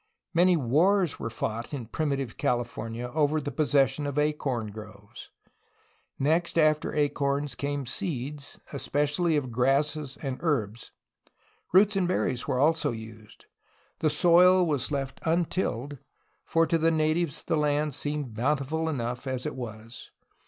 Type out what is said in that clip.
Many wars were fought in primitive California over the possession of acorn groves. Next after acorns came seeds, especially of grasses and herbs. Roots and berries were also used. The soil was left untilled, for to the natives the land seemed bountiful enough as it was.